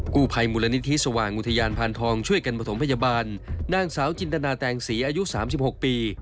กู้ภัยมูลนิธิสว่างอุทยานพานทองช่วยกันประถมพยาบาลนางสาวจินตนาแตงศรีอายุ๓๖ปี